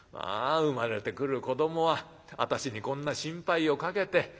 生まれてくる子どもは私にこんな心配をかけて。